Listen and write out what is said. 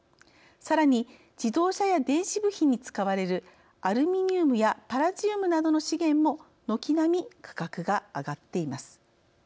さらに自動車や電子部品に使われるアルミニウムやパラジウムなどの資源も軒並み、価格が上がっています。